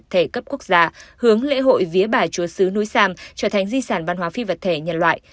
trở thành di sản văn hóa phi vật thể nhân loại